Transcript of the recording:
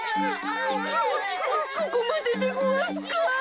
こここまででごわすか。